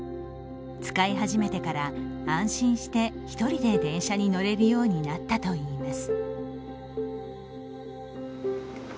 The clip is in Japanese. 使い始めてから安心して１人で電車に乗れるようになったといいます。